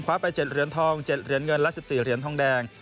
ไป๗เหรียญทอง๗เหรียญเงินและ๑๔เหรียญทองแดง